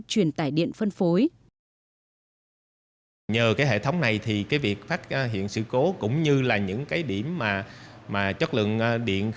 truyền tải điện phân phối